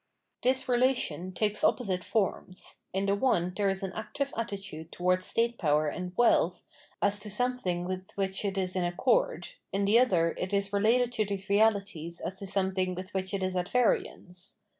This relation takes opposite forms ; in the one there is an active attitude towards state power and wealth as to something with which it is in accord, in the other it is related to these realities as to something with which it is at variance.